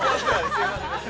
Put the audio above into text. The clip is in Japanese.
すいません。